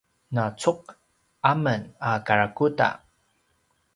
na cug a men a karakuda